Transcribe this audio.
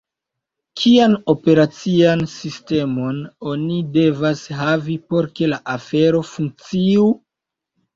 Kian operacian sistemon oni devas havi por ke la afero funkciu?